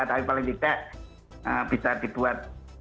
tapi paling tidak bisa dibuat